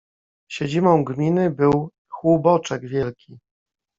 Siedzibą gminy był Hłuboczek Wielki.